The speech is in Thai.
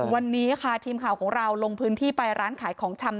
วันนี้ค่ะทีมข่าวของเราลงพื้นที่ไปร้านขายของชำ